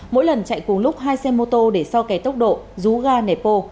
mỗi lần chạy cùng lúc hai xe mô tô để so kè tốc độ rú ga nẻ pô